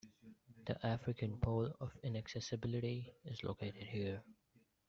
The African Pole of Inaccessibility is located here.